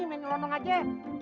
main nyelondong aja